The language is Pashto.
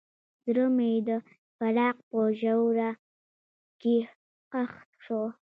زړه مې د فراق په ژوره کې ښخ شو.